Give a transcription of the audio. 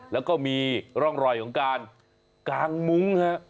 แล้วก็มีร่องรอยของการกางมุ้งฮะ